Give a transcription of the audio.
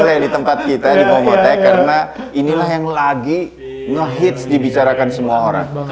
ini boleh di tempat kita di fomo tech karena inilah yang lagi ngehits dibicarakan semua orang